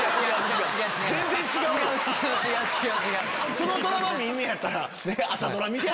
そのドラマ見んねやったら。